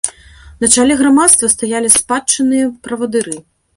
На чале грамадства стаялі спадчынныя правадыры.